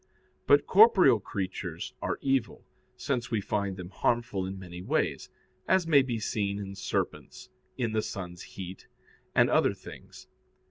But corporeal creatures are evil, since we find them harmful in many ways; as may be seen in serpents, in the sun's heat, and other things.